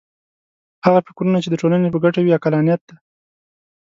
هغه فکرونه چې د ټولنې په ګټه وي عقلانیت دی.